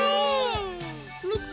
みて。